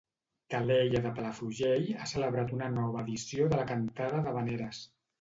Calella de Palafrugell ha celebrat una nova edició de la Cantada d'havaneres.